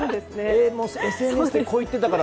ＳＮＳでこう言ってたから！